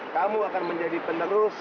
kamu akan menjadi pendalurus